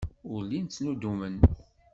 Ur llin ttnuddumen.